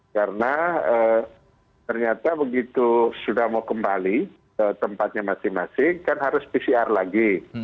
karena ternyata begitu sudah mau kembali ke tempatnya masing masing kan harus pcr lagi